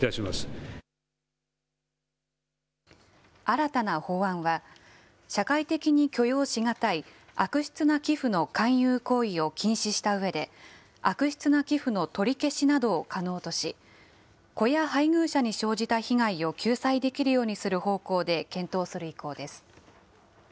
新たな法案は、社会的に許容し難い悪質な寄付の勧誘行為を禁止したうえで、悪質な寄付の取り消しなどを可能とし、子や配偶者に生じた被害を救済できるようにする方向で検討する意向です。